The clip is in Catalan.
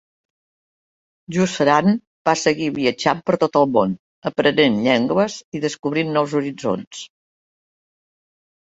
Jusserand va seguir viatjant per tot el món, aprenent llengües i descobrint nous horitzons.